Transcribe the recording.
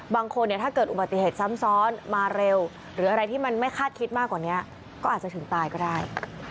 บางคนเนี่ยถ้าเกิดอุบัติเหตุซ้ำซ้อนมาเร็วหรืออะไรที่มันไม่คาดคิดมากกว่านี้ก็อาจจะถึงตายก็ได้